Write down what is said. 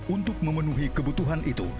untuk memenuhi kebutuhan itu